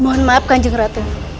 mohon maaf kanjeng ratu